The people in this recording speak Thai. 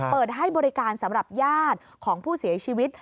เปิดให้บริการสำหรับญาติของผู้เสียชีวิต